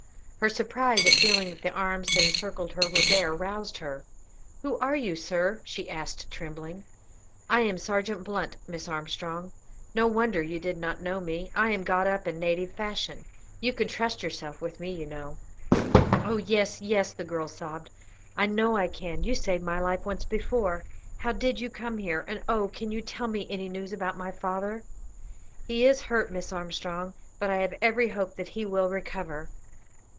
Her surprise at feeling that the arms that encircled her were bare, roused her. "Who are you, sir?" she asked, trembling. "I am Sergeant Blunt, Miss Armstrong. No wonder you did not know me. I am got up in native fashion. You can trust yourself with me, you know." "Oh, yes, yes," the girl sobbed. "I know I can, you saved my life once before. How did you come here? And, oh, can you tell me any news about my father?" "He is hurt, Miss Armstrong, but I have every hope that he will recover.